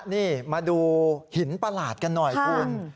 นี่มาดูหินประหลาดกันหน่อยคุณ